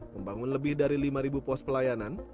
membangun lebih dari lima pos pelayanan